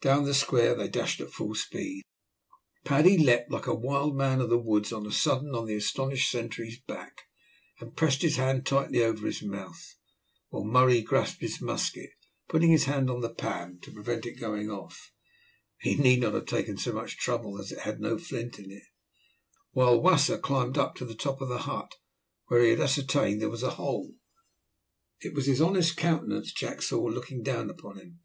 Down the square they dashed at full speed. Paddy leaped like a wild man of the woods on a sudden on the astonished sentry's back, and pressed his hand tightly over his mouth, while Murray grasped his musket, putting his hand on the pan, to prevent it going off (he need not have taken so much trouble, as it had no flint in it), while Wasser climbed up to the top of the hut, where he had ascertained there was a hole. It was his honest countenance Jack saw looking down upon him.